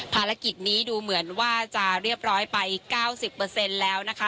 ภารกิจนี้ดูเหมือนว่าจะเรียบร้อยไป๙๐แล้วนะคะ